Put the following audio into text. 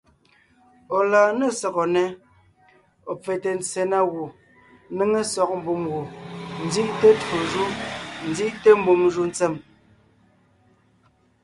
Ɔ̀ lɔɔn ne sɔgɔ nnɛ́, ɔ̀ pfɛte ntse na gù, ńnéŋe sɔg mbùm gù, ńzí’te twó jú, ńzí’te mbùm jù ntsèm.